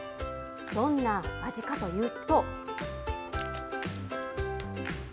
どんな味かというと。